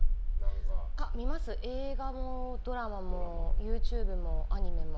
映画もドラマもＹｏｕＴｕｂｅもアニメも。